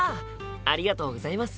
ありがとうございます。